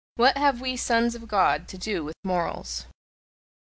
What have we Sons of God to do with morals!"